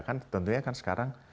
kan tentunya kan sekarang